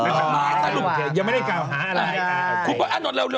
ไม่ไข้มากก่อนสร้างโอเค